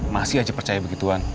masih aja percaya begitu tuan